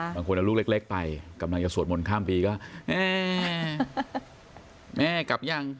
บางคนเอาลูกเล็กไปกำลังจะสวดมนต์ข้ามปีก็แม่กลับยัง